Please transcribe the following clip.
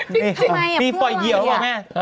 ทำไมพี่ปล่อยเยียวหรือเปล่า